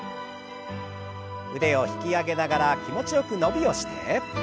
腕を引き上げながら気持ちよく伸びをして。